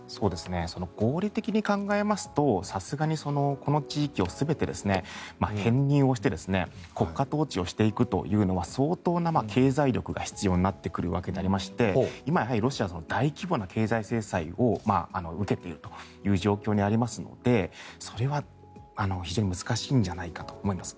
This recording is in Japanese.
合理的に考えますとさすがにこの地域を全て編入して国家統治をしていくというのは相当な経済力が必要になってくるわけになりまして今、ロシアは大規模な経済制裁を受けているという状況にありますのでそれは非常に難しいんじゃないかと思います。